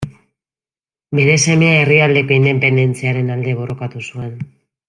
Bere semea herrialdeko independentziaren alde borrokatu zuen.